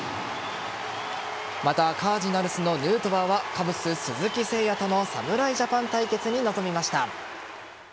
またカージナルスのヌートバーはカブス・鈴木誠也との侍ジャパン対決に臨みました。